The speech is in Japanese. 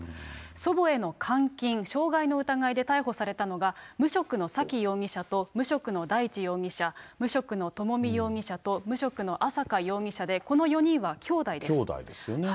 祖母への監禁・傷害の疑いで逮捕されたのが、無職の沙喜容疑者と無職の大地容疑者、無職の朝美容疑者と無職の朝華容疑者で、この４人はきょうだいできょうだいですよね。